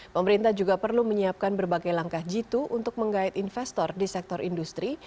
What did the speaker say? pemerintah juga perlu menyiapkan berbagai langkah jitu untuk menggait investor di sektor industri